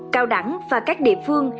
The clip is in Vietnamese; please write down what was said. cao đẳng và các địa phương